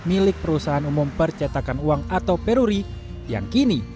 milik perusahaan umum percetakan uang atau peruri yang kini